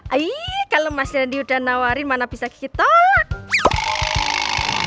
aiyy kalau mas rendy udah nawarin mana bisa kiki tolak